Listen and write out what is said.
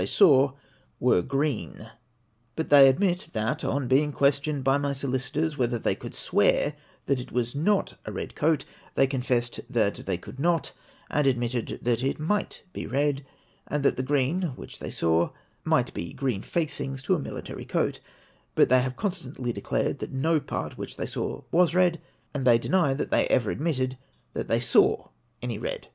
they saw, were green : but they admit, that ou being ques tioned by my solicitors, whether they could swear that it was not a red coat; they confessed that they could not, and ad mitted that it might be red, and that the green which they saw might be green facings to a militar}^ coat : but they have constantly declared that no part which they saw was red, and they deny that they ever admitted that they saw any red.